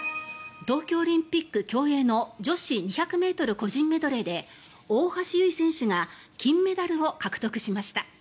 東京オリンピック競泳の女子２００ｍ個人メドレーで大橋悠依選手が金メダルを獲得しました。